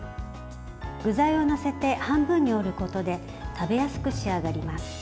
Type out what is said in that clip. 具材を載せて、半分に折ることで食べやすく仕上がります。